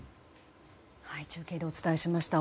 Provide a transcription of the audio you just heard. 中継でお伝えしました。